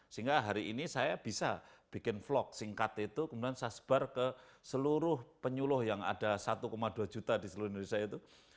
sehingga hari ini saya bisa bikin vlog singkat itu kemudian saya sebar ke seluruh penyuluh yang ada satu dua juta di seluruh indonesia itu